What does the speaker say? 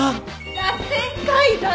らせん階段！